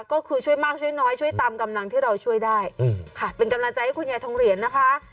ก็คือช่วยมากช่วยน้อยช่วยตามกำลังที่เราช่วยได้ค่ะเป็นกำลังใจให้คุณยายทองเหรียญนะคะ